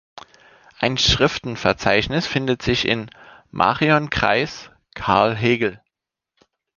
Ein Schriftenverzeichnis findet sich in: Marion Kreis: "Karl Hegel.